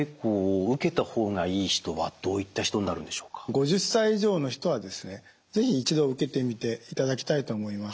５０歳以上の人は是非一度受けてみていただきたいと思います。